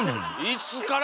いつから？